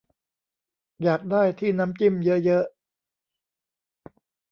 อยากได้ที่น้ำจิ้มเยอะเยอะ